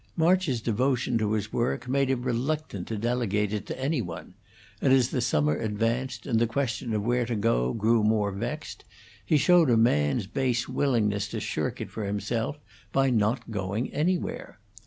March's devotion to his work made him reluctant to delegate it to any one; and as the summer advanced, and the question of where to go grew more vexed, he showed a man's base willingness to shirk it for himself by not going anywhere.